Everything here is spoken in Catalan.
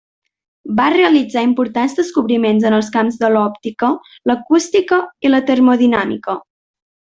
Va realitzar importants descobriments en els camps de l'òptica, l'acústica i la termodinàmica.